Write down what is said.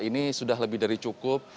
ini sudah lebih dari cukup